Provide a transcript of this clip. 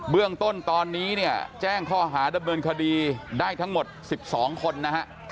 เรื่องต้นตอนนี้เนี่ยแจ้งข้อหาดำเนินคดีได้ทั้งหมด๑๒คนนะฮะ